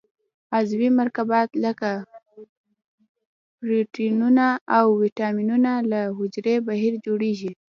عضوي مرکبات لکه پروټینونه او وېټامینونه له حجرې بهر جوړیږي.